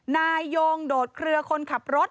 นายโยงโดดเครือคนขับรถ